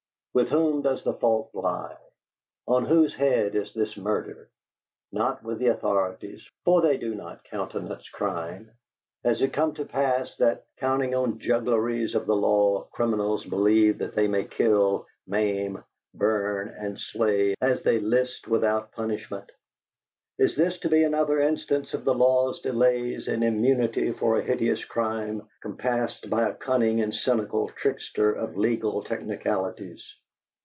With whom does the fault lie? On whose head is this murder? Not with the authorities, for they do not countenance crime. Has it come to the pass that, counting on juggleries of the law, criminals believe that they may kill, maim, burn, and slay as they list without punishment? Is this to be another instance of the law's delays and immunity for a hideous crime, compassed by a cunning and cynical trickster of legal technicalities?